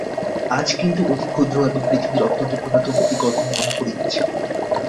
আজ কিন্তু অতি ক্ষুদ্র এবং পৃথিবীর অত্যন্ত পুরাতন একটি গল্প মনে পড়িতেছে।